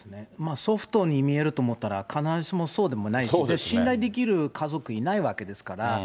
ソフトに見えると思ったら、必ずしもそうでもないし、信頼できる家族いないわけですから。